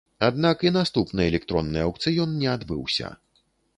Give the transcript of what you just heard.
Аднак і наступны электронны аўкцыён не адбыўся.